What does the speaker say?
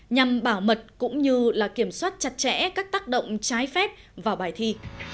nhằm bảo mật cũng như kiểm soát chặt chẽ các tác động trái phép vào bài thi